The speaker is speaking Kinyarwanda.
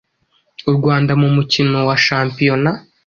u Rwanda mu mukino wa shampiyona